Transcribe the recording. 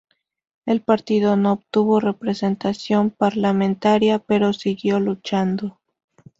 El partido no obtuvo representación parlamentaria, pero siguió luchando.